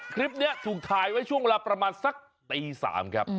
คลิปนี้ถูกถ่ายไว้ช่วงเวลาประมาณสักตี๓ครับ